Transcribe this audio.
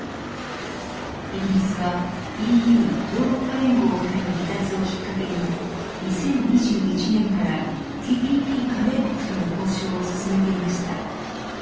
イギリスはＥＵヨーロッパ連合からの離脱をきっかけに２０２１年からＴＰＰ加盟国との交渉を進めていました。